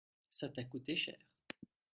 Ça t’as coûté cher.